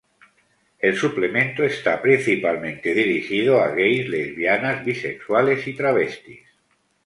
El suplemento está principalmente dirigido a gais, lesbianas, bisexuales y travestis.